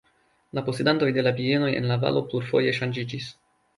La posedantoj de la bienoj en la valo plurfoje ŝanĝiĝis.